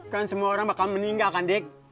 kan semua orang bakal meninggal kan dik